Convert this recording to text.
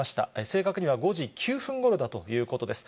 正確には５時９分ごろだということです。